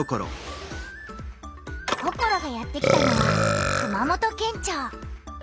ココロがやって来たのは熊本県庁。